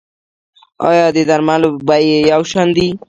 آیا د درملو بیې یو شان دي؟